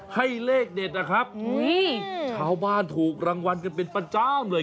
ให้เลขเด็ดนะครับชาวบ้านถูกรางวัลกันเป็นประจำเลย